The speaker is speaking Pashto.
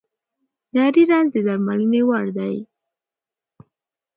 نري رنځ د درملنې وړ دی.